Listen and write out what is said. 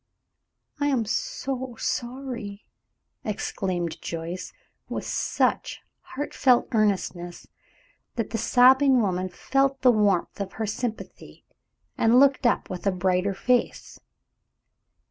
"I am so sorry!" exclaimed Joyce, with such heartfelt earnestness that the sobbing woman felt the warmth of her sympathy, and looked up with a brighter face.